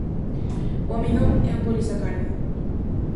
O amidón é un polisacárido.